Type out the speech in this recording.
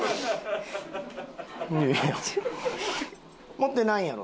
持ってないんやろ？